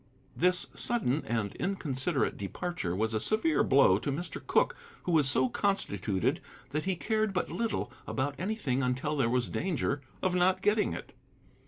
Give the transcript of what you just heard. This sudden and inconsiderate departure was a severe blow to Mr. Cooke' who was so constituted that he cared but little about anything until there was danger of not getting it.